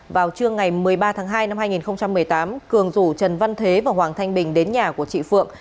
vào trưa ngày một mươi ba tháng hai năm hai nghìn một mươi tám cường rủ trần văn thế và hoàng thanh bình đến nhà của chị phượng